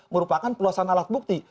merupakan peluasan alat bukti